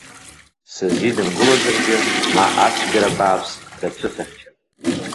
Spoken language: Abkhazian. Сызидымгылозаргьы, ма ацәгьара бааԥс дацәысыхьчап.